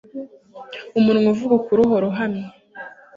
Umunwa uvuga ukuri uhora uhamye